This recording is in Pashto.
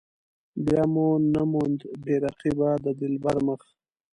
بیا مې نه موند بې رقيبه د دلبر مخ.